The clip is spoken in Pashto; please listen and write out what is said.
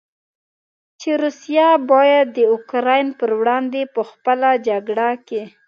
چې روسیه باید د اوکراین پر وړاندې په خپله جګړه کې.